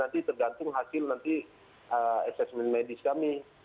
nanti tergantung hasil nanti asesmen medis kami